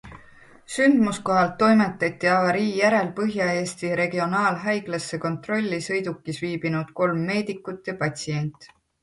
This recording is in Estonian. Sündmuskohalt toimetati avarii järel Põhja-Eesti regionaalhaiglasse kontrolli sõidukis viibinud kolm meedikut ja patsient.